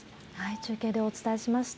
中継でお伝えしました。